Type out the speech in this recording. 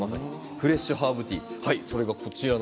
フレッシュハーブティー。